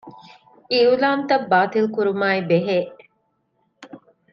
އިޢުލާންތައް ބާތިލްކުރުމާއި ބެހޭ